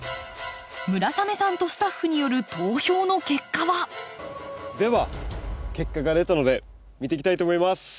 村雨さんとスタッフによる投票の結果は？では結果が出たので見ていきたいと思います。